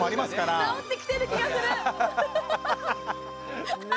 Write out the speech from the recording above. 治ってきてる気がする。